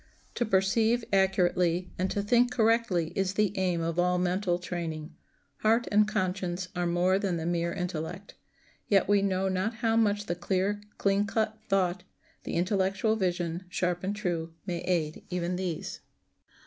To perceive accurately and to think correctly is the aim of all mental training. Heart and conscience are more than the mere intellect. Yet we know not how much the clear, clean cut thought, the intellectual vision, sharp and true, may aid even these.